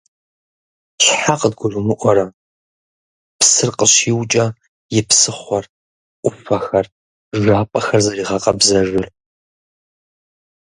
Щхьэ къыдгурымыӀуэрэ псыр къыщиукӀэ и псыхъуэр, Ӏуфэхэр, жапӀэхэр зэригъэкъэбзэжыр?!